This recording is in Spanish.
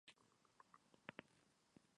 Fregenal de la Sierra, España